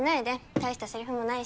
大したセリフもないし。